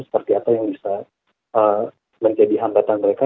seperti apa yang bisa menjadi hambatan mereka